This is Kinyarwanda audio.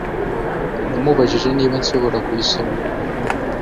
Namubajije niba nshobora kubisoma